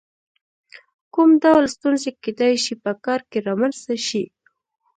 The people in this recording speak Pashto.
کوم ډول ستونزې کېدای شي په کار کې رامنځته شي؟